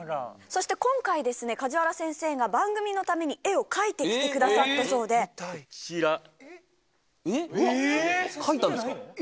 そして今回梶原先生が番組のために絵を描いてきてくださったそうでこちら・えーっ？